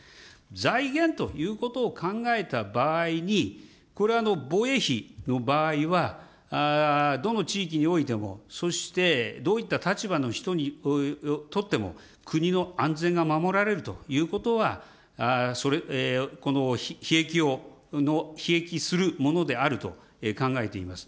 財源ということを考えた場合に、これは防衛費の場合は、どの地域においても、そしてどういった立場の人にとっても、国の安全が守られるということは、ひ益するものであると考えています。